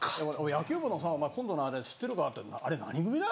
「野球部の今度のあれ知ってるかあれ何組だ？」。